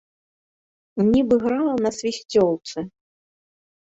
Нібы грала на свісцёлцы.